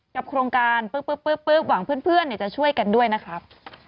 โครงการปึ๊บหวังเพื่อนจะช่วยกันด้วยนะครับ